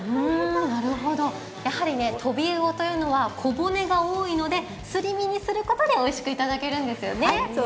なるほど、やはりトビウオというのは小骨が多いのですり身にすることでおいしくいただけるんですよね。